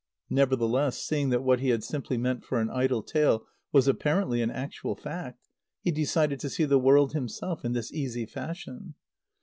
Nevertheless, seeing that what he had simply meant for an idle tale was apparently an actual fact, he decided to see the world himself in this easy fashion.